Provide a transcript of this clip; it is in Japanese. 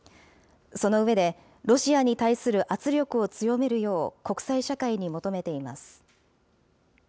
その上で、ロシアに対する圧力を強めるよう、国際社会に求めています。